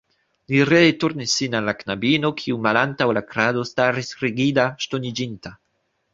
Li ree turnis sin al la knabino, kiu malantaŭ la krado staris rigida, ŝtoniĝinta.